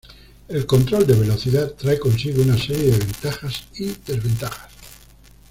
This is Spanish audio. El control de velocidad trae consigo una serie de ventajas y desventajas.